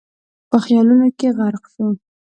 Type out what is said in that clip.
په خيالونو کې غرق شو.